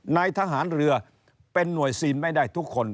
นายทหารเรือเป็นหน่วยซีนไม่ได้ทุกคน